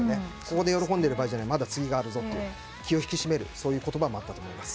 ここで喜んでいる場合じゃないまだ次があるぞと気を引きしめるという言葉もあったと思います。